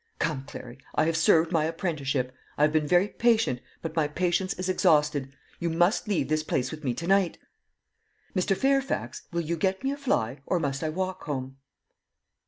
Come, Clary, I have served my apprenticeship; I have been very patient; but my patience is exhausted. You must leave this place with me to night." "Mr. Fairfax, will you get me a fly, or must I walk home?"